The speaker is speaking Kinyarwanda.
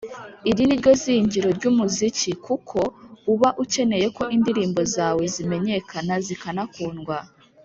iri ni ryo zingiro ry’umuziki kuko uba ukeneye ko indirimbo zawe zimenyakana, zikanakundwa.